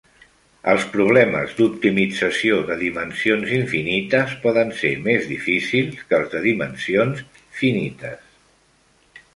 Els problemes d'optimització de dimensions infinites poden ser més difícils que els de dimensions finites.